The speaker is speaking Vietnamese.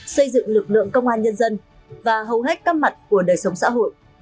xây dựng lực lượng công an nhân dân và hầu hết các mặt của đời sống xã hội